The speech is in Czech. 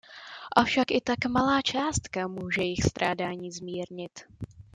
Avšak i tak malá částka může jejich strádání zmírnit.